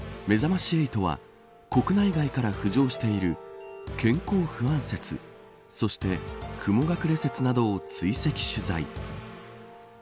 めざまし８は国内外から浮上している健康不安説そして雲隠れ説などを追跡取材。